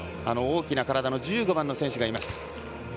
大きな体の１５番の選手がいました。